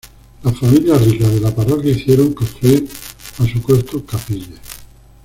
Las familias ricas de la parroquia hicieron construir a su costo capillas.